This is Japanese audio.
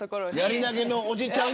やり投げのおじちゃん